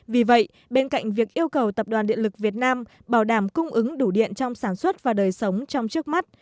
vì vậy bên cạnh việc yêu cầu tập đoàn điện lực việt nam bảo đảm cung ứng đủ điện trong sản xuất và đời sống trong trước mắt